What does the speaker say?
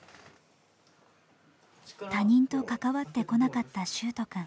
他人と関わってこなかった秀斗くん。